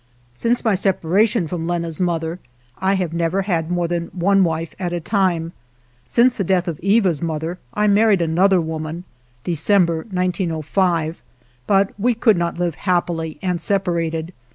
Since my separation from Lenna's mother I have never had more than one wife at a time. Since the death of Eva's mother I married another woman (December, 1905) but we could not live happily and separated.